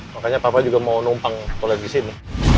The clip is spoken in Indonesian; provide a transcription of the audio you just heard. makanya papa juga mau numpang toilet disini